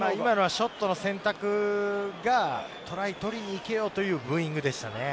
ショットの選択がトライを取りに行けよというブーイングでしたね。